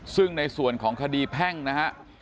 ซึ่งในส่วนของคดีแพ่งนะฮะ